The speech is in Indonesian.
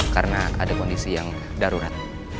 karena ada kondisi yang darurat